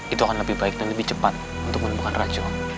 itu akan lebih baik dan lebih cepat untuk menemukan racun